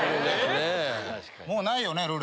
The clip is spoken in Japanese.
もうないよね？